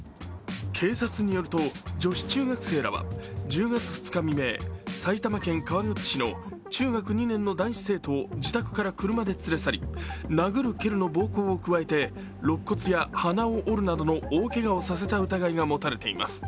警察によると、女子中学生らは１０月２日未明、埼玉県川口市の中学２年の男子生徒を自宅から車で連れ去り殴る蹴るの暴行を加えてろっ骨や鼻を折るなどの大けがをさせた疑いが持たれています。